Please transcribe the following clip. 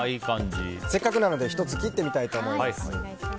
せっかくなので１つ切ってみたいと思います。